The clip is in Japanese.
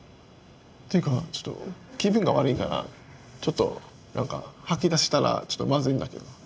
っていうかちょっと気分が悪いからちょっと何か吐き出したらまずいんだけど。